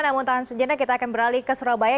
namun tahan sejenak kita akan beralih ke surabaya